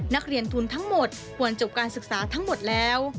นักเรียนทุนทั้งหมดควรจบการศึกษาทั้งหมดแล้ว